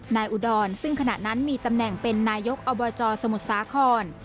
อุดรซึ่งขณะนั้นมีตำแหน่งเป็นนายกอบจสมุทรสาคร